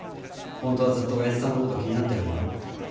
ホントはずっと親父さんのこと気になってるんだろ。